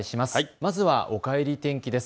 まずはおかえり天気です。